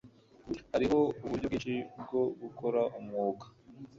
Hariho uburyo bwinshi bwo gukora umwuga